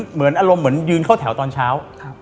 เหมือนอารมณ์เหมือนยืนเข้าแถวตอนเช้า